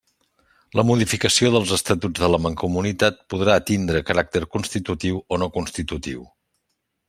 La modificació dels Estatuts de la Mancomunitat podrà tindre caràcter constitutiu o no constitutiu.